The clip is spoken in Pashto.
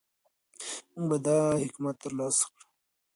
موږ باید دا حکمت ترلاسه کړو.